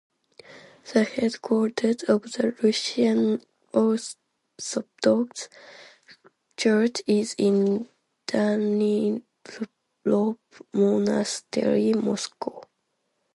The headquarters of the Russian Orthodox Church is in Danilov Monastery, Moscow.